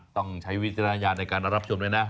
ต้องใช้วิทยาลัยในการรับชมด้วยนะ